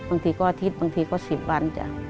บางทีก็อาทิตย์บางทีก็๑๐วันจ้ะ